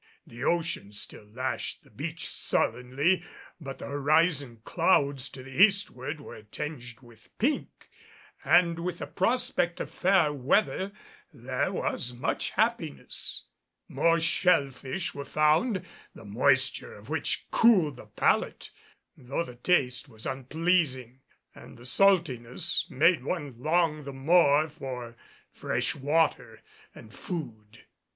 The ocean still lashed the beach sullenly, but the horizon clouds to the eastward were tinged with pink, and with the prospect of fair weather there was much happiness. More shell fish were found, the moisture of which cooled the palate, though the taste was unpleasing, and the saltiness made one long the more for fresh water and food.